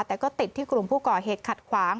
แต่ก็ติดที่กลุ่มผู้ก่อเหตุขัดขวาง